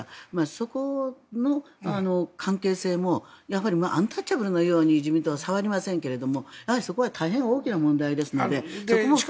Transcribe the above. そこの関係性もやはりアンタッチャブルのように自民党は触りませんがやはりそこは大変大きな問題ですので。